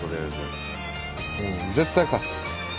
絶対勝つ！